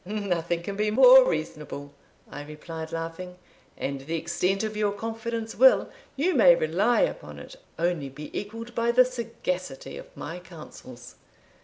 "Nothing can be more reasonable," I replied, laughing; "and the extent of your confidence will, you may rely upon it, only be equalled by the sagacity of my counsels."